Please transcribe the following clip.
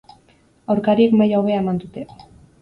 Aurkariek maila hobea eman dute.